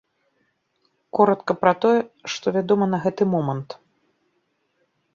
Коратка пра тое, што вядома на гэты момант.